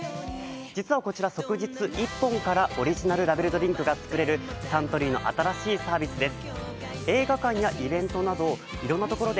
実はこちら、即日１本からオリジナルラベルドリンクが作れるサントリーの新しいサービスです。